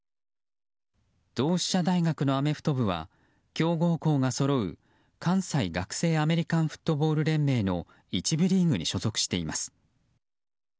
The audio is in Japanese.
同志社大学のアメフト部は強豪校がそろう、関西学生アメリカンフットボール連盟の１部リーグに所属しています。